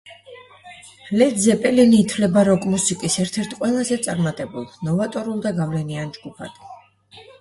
ლედ ზეპელინი ითვლება როკ-მუსიკის ერთ-ერთ ყველაზე წარმატებულ, ნოვატორულ და გავლენიან ჯგუფად.